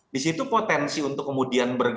disitu potensi untuk kemudian bergabung